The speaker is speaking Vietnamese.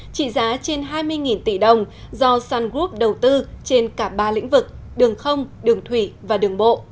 trị giá trên hai mươi tỷ đồng do sun group đầu tư trên cả ba lĩnh vực đường không đường thủy và đường bộ